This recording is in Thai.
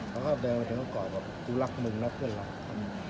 แล้วเขาเดินไปก็กอดแบบขูรักมึงนะเพื่อนรัก